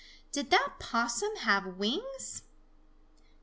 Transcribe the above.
Did that Possum have wings?